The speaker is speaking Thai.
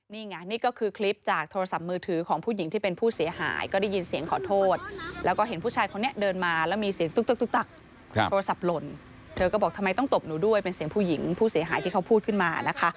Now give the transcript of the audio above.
นี่ไงนี่ก็คือคลิปจากโทรศัพท์มือถือของผู้หญิงที่เป็นผู้เสียหายก็ได้ยินเสียงขอโทษแล้วก็เห็นผู้ชายคนนี้เดินมาแล้วมีเสียงตุ๊กตั๊กโทรศัพท์หล่นเธอก็บอกทำไมต้องตบหนูด้วยเป็นเสียงผู้หญิงผู้เสียหายที่เขาพูดขึ้นมานะคะ